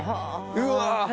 うわ。